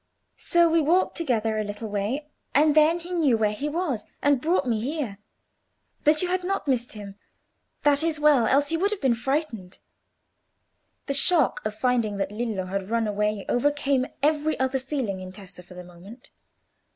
So we walked together a little way, and then he knew where he was, and brought me here. But you had not missed him? That is well, else you would have been frightened." The shock of finding that Lillo had run away overcame every other feeling in Tessa for the moment.